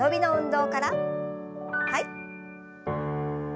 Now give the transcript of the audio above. はい。